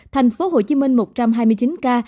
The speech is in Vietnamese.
thành phố hồ chí minh một trăm hai mươi chín ca